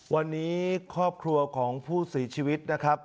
วันนี้ครอบครัวของผู้เสียชีวิตนะครับ